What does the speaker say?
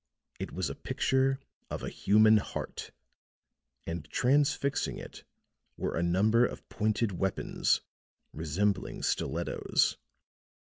It was a picture of a human heart, and transfixing it were a number of pointed weapons resembling stilettos.